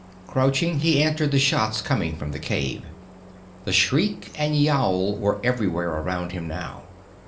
Crouching, he answered the shots coming from the cave. The shriek and yowl were everywhere around him now.